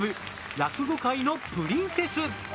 落語界のプリンセス！